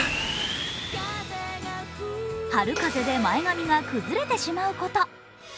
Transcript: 春風で前髪が崩れてしまうこと。